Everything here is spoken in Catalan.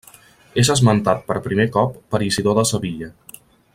És esmentat per primer cop per Isidor de Sevilla.